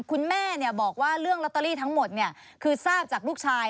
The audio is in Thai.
คุณแม่บอกว่าเรื่องลอตเตอรี่ทั้งหมดคือทราบจากลูกชาย